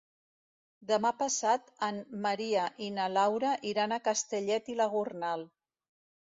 Demà passat en Maria i na Laura iran a Castellet i la Gornal.